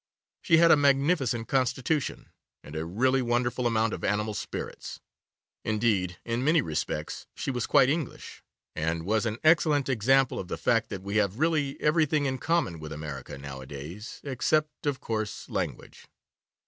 She had a magnificent constitution, and a really wonderful amount of animal spirits. Indeed, in many respects, she was quite English, and was an excellent example of the fact that we have really everything in common with America nowadays, except, of course, language.